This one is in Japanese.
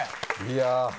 いや。